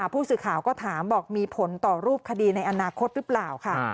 ผู้สื่อข่าวก็ถามบอกมีผลต่อรูปคดีในอนาคตหรือเปล่าค่ะ